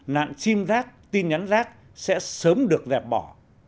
nạn sim rác tin nhắn rác sẽ sớm được dẹp bỏ